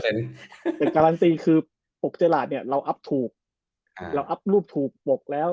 แต่การรันตีคือก็จะตรงนี้่ออัพถูกเราอัพรูปถูกบวกแล้ว